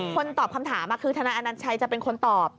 ตอบคำถามคือทนายอนัญชัยจะเป็นคนตอบ